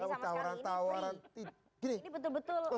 ini betul betul kelas gitu